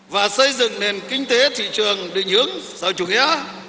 và xây dựng nền kinh tế thị trường định hướng sau chủ nghĩa